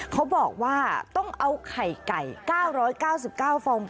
เขาบอกว่าต้องเอาไข่ไก่๙๙๙ฟอง